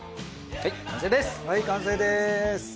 はい完成です。